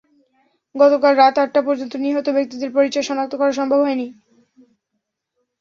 গতকাল রাত আটটা পর্যন্ত নিহত ব্যক্তিদের পরিচয় শনাক্ত করা সম্ভব হয়নি।